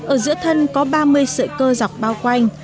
ở giữa thân có ba mươi sợi cơ dọc bao quanh